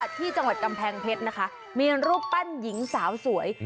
ที่จังหวัดกำแพงเพชรนะคะมีรูปปั้นหญิงสาวสวย